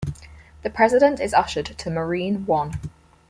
The President is ushered to Marine One.